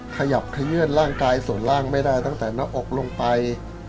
ขยับขยื่นร่างกายส่วนล่างไม่ได้ตั้งแต่หน้าอกลงไป